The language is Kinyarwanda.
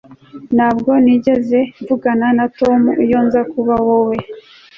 Ntabwo nigeze mvugana na Tom iyo nza kuba wowe